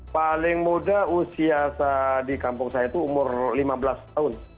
paling muda usia di kampung saya itu umur lima belas tahun